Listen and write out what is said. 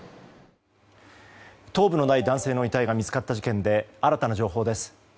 頭部のない男性の遺体が見つかった事件で新たな情報です。